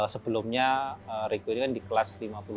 sebelumnya rico ini kan di kelas lima puluh lima